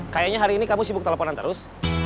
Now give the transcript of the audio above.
kayaknya hari ini kamu sibuk teleponan terus